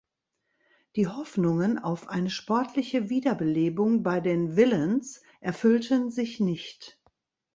Die Hoffnungen auf eine sportliche Wiederbelebung bei den „Villans“ erfüllten sich nicht.